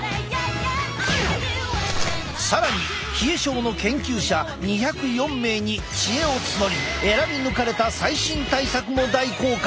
更に冷え症の研究者２０４名に知恵を募り選び抜かれた最新対策も大公開！